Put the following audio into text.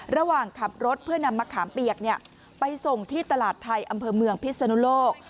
ระหว่างขับรถเพื่อนำมะขามเปียกไปส่งที่ตลาดไทยอำเภอเมืองพิศนุโลก